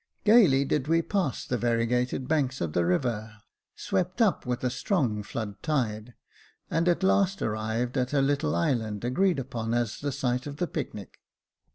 Gaily did we pass the variegated banks of the river, swept up with a strong flood tide, and at last arrived at a little island agreed upon as the site of the picnic.